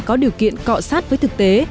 có điều kiện cọ sát với thực tế